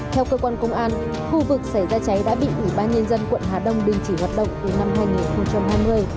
theo cơ quan công an khu vực xảy ra cháy đã bị ủy ban nhân dân quận hà đông đình chỉ hoạt động từ năm hai nghìn hai mươi